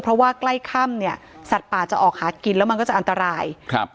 เพราะว่าใกล้ค่ำเนี่ยสัตว์ป่าจะออกหากินแล้วมันก็จะอันตรายครับ